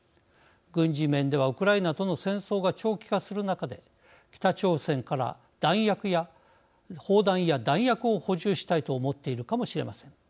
軍事面ではウクライナとの戦争が長期化する中で北朝鮮から砲弾や弾薬を補充したいと思っているかもしれません。